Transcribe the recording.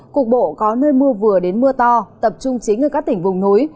cục bộ có nơi mưa vừa đến mưa to tập trung chính ở các tỉnh vùng núi